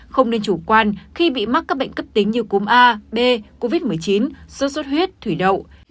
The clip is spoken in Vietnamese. không nên chủ quan khi bị mắc các bệnh cấp tính như cúm a b covid một mươi chín sốt xuất huyết thủy đậu